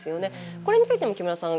これについても木村さん